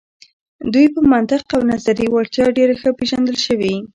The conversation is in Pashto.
دوی په منطق او نظري وړتیا ډیر ښه پیژندل شوي.